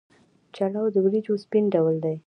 چلو د وریجو سپین ډول دی.